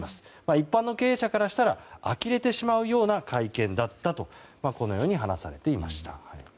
一般の経営者からしたらあきれてしまうような会見だったこのように話されていました。